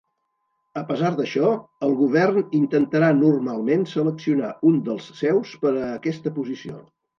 A pesar d'això, el govern intentarà normalment seleccionar un dels seus per a aquesta posició.